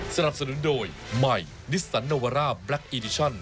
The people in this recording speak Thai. สนับสนุนโดยใหม่นิสสันโนวาร่าแบล็คอีดิชั่น